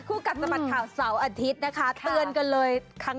คู่กัดสบัตรข่าวเสาร์อาทิตย์นะคะ